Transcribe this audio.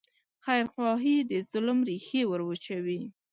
خیرخواهي د ظلم ریښې وروچوي.